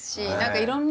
いろんな。